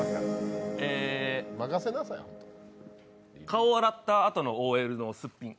顔を洗ったあとのＯＬのすっぴん。